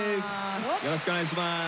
よろしくお願いします。